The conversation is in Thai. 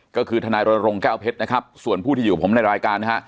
ก็คือทนายรณรงค์แก้วเพชรนะครับส่วนผู้ที่อยู่ผมในรายการนะฮะ